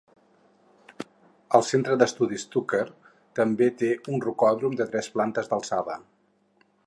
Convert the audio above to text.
El Centre d'Estudiants Tucker també té un rocòdrom de tres plantes d'alçada.